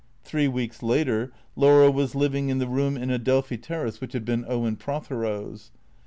Three weeks later Laura was living in the room in Adelphi Terrace which had been Owen Prothero's.